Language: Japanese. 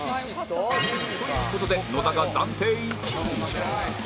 という事で野田が暫定１位